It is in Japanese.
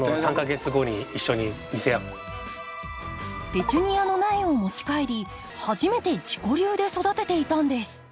ペチュニアの苗を持ち帰り初めて自己流で育てていたんです。